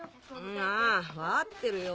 あぁ分かってるよ